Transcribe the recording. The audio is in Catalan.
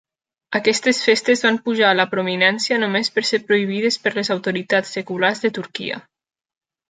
Aquestes festes van pujar a la prominència només per ser prohibides per les autoritats seculars de Turquia.